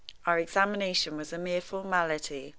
Our examination was a mere formality.